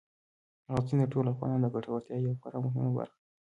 غزني د ټولو افغانانو د ګټورتیا یوه خورا مهمه برخه ده.